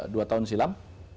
dua tahun silam